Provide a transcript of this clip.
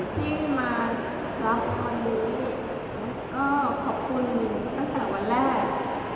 ที่มารับวันนี้ก็ขอบคุณหนูตั้งแต่วันแรก